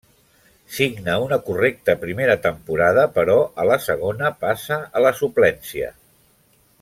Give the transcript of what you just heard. Signa una correcta primera temporada, però a la segona passa a la suplència.